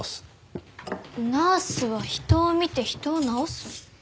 ナースは人を見て人を治す？